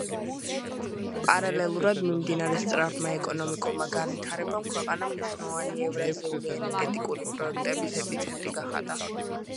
პარალელურად მიმდინარე სწრაფმა ეკონომიკურმა განვითარებამ ქვეყანა მნიშვნელოვანი ევრაზიული ენერგეტიკული პროექტების ეპიცენტრი გახადა.